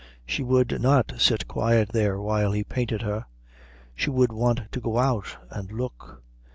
She would not sit quiet there while he painted her; she would want to go out and look.